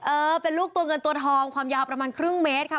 เออเป็นลูกตัวเงินตัวทองความยาวประมาณครึ่งเมตรค่ะ